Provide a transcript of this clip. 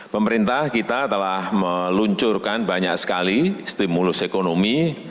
pemerintah kita telah meluncurkan banyak sekali stimulus ekonomi